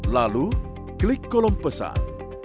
lalu klik kolom pesan